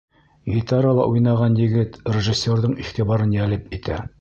Гитарала уйнаған егет режиссерҙың иғтибарын йәлеп итә.